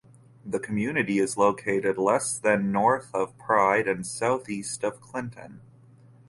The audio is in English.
The community is located less than north of Pride and southeast of Clinton.